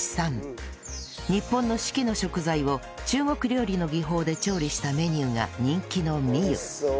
日本の四季の食材を中国料理の技法で調理したメニューが人気の美虎